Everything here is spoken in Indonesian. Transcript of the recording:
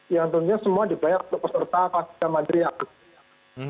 yang tentunya semua dibayar untuk peserta pasukan mandiri agus